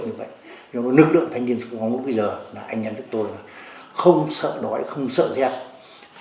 nhưng mà nữ lượng thanh niên của chúng tôi bây giờ là anh nhắn với tôi là không sợ đói không sợ giết